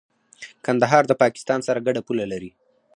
کندهار د پاکستان سره ګډه پوله لري.